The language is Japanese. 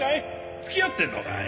付き合ってんのかい？